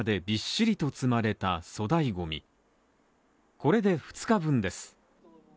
これで２日分です。